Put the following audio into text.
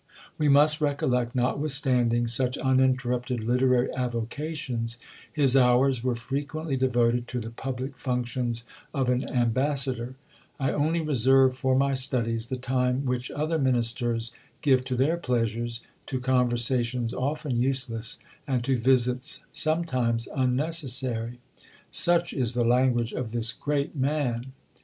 We must recollect, notwithstanding such uninterrupted literary avocations, his hours were frequently devoted to the public functions of an ambassador: "I only reserve for my studies the time which other ministers give to their pleasures, to conversations often useless, and to visits sometimes unnecessary." Such is the language of this great man!